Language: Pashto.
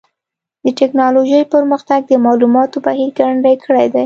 د ټکنالوجۍ پرمختګ د معلوماتو بهیر ګړندی کړی دی.